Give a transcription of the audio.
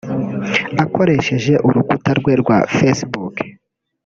Akoresheje urukuta rwe rwa Facebook